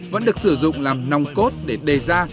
vẫn được sử dụng làm nòng cốt để đề ra